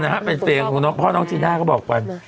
นั่นนะครับเป็นเฟรงของน้องพ่อน้องชิน่าก็บอกว่า